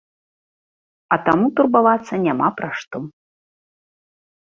А таму турбавацца няма пра што.